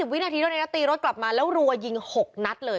๓๐วินาทีตีรถกลับมาแล้วรัวยิง๖นัทเลย